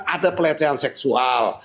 ada pelecehan seksual